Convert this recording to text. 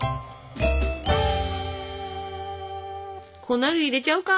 粉類入れちゃうか？